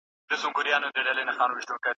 د اله اباد پوهنتون لخوا نوې پرېکړه سوي ده.